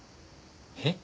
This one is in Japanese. えっ？